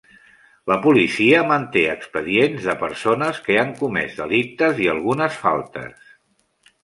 La policia manté expedients de persones que han comès delictes i algunes faltes.